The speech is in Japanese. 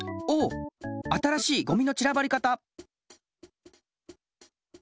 新しいゴミのちらばり方！